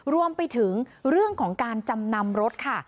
รวมไปถึงเรื่องของการจำนำรถค่ะ